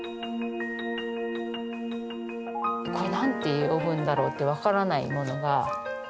これ何て呼ぶんだろうって分からないものが結構。